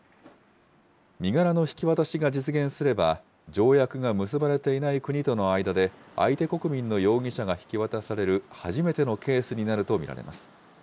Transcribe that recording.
身柄の引き渡しが実現すれば、条約が結ばれていない国との間で相手国民の容疑者が引き渡される初めてのケースになると見られます。